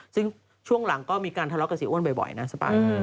ซึ่งช่วงหลังก็มีการทะเลาะกับเสียอ้วนบ่อยนะสปาย